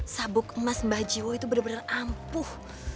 sabuk emas mbah jiwo itu bener bener ampuh